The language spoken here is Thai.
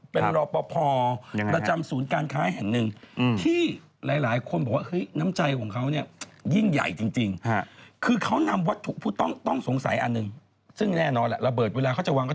เป็นรอปภประจำศูนย์การค้าแห่งหนึ่ง